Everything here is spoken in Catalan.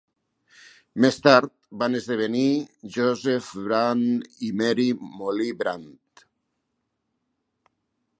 Més tard van esdevenir Joseph Brant i Mary "Molly" Brant.